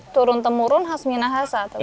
turun temurun khas minahasa atau bagaimana